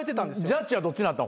ジャッジはどっちなったん？